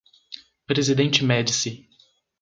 Presidente Médici